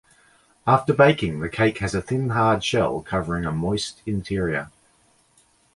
After baking, the cake has a thin hard shell covering a moist interior.